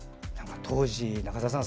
当時、中澤さん